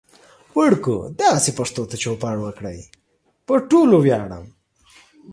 وړکو دغسې پښتو ته چوپړ وکړئ. پو ټولو وياړم